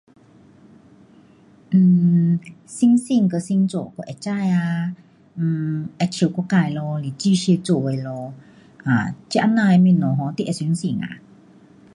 um 星星跟星座我会知啊，um 好像我自咯是巨蟹座的咯，um 这啊呐的东西 um 你会相信啊？